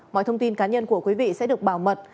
mọi thông tin cá nhân của quý vị sẽ được bảo mật